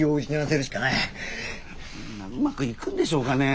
そんなうまくいくんでしょうかね？